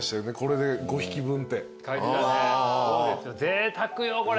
ぜいたくよこれ。